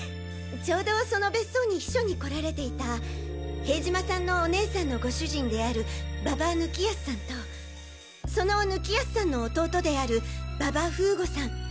ちょうどその別荘に避暑に来られていた塀島さんのお姉さんのご主人である馬場貫康さんとその貫康さんの弟である馬場風悟さん。